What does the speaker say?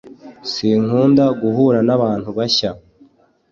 Sinkunda guhura nabantu bashya